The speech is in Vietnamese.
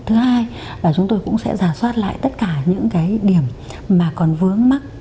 thứ hai chúng tôi cũng sẽ giả soát lại tất cả những điểm mà còn vướng mắc